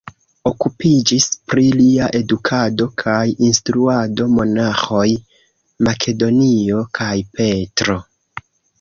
Okupiĝis pri lia edukado kaj instruado monaĥoj Makedonio kaj Petro.